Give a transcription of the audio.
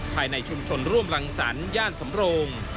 ภายในชุมชนร่วมรังสรรคย่านสำโรง